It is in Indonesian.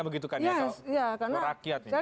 begitu kan ya ya karena